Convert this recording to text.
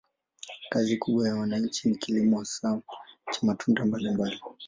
Kazi kubwa ya wananchi ni kilimo, hasa cha matunda mbalimbali.